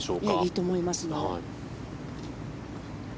いいと思いますよ。